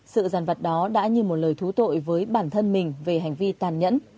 sự giàn vật đó đã như một lời thú tội với bản thân mình về hành vi tàn nhẫn